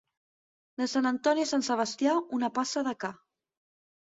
De Sant Antoni a Sant Sebastià, una passa de ca.